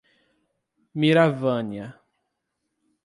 Miravânia